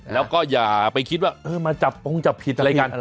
แล้วก็อย่าไปคิดว่ามาจับปงจับผิดอะไรกัน